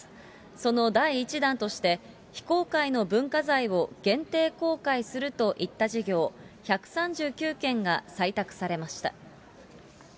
その第１弾として、非公開の文化財を限定公開するといった事業、１３９件が採択されました。